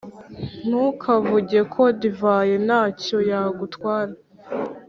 Ntukavuge ko divayi nta cyo yagutwara,